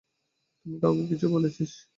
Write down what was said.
তুই কাউকে কিছু বলেছিস?